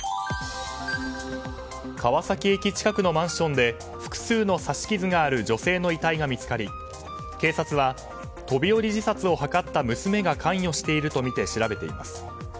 川崎駅近くのマンションで複数の刺し傷がある女性の遺体が見つかり警察は飛び降り自殺を図った娘が関与しているとみて調べています。